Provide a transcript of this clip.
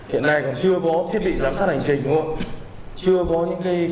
hiện nay còn chưa có thiết bị giám sát hành trình chưa có những thông tin